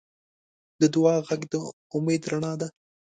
د دعا غږ د امید رڼا ده.